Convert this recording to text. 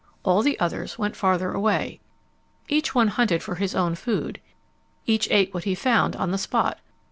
All the others went farther away. Each one hunted for his own food. Each ate what he found on the spot.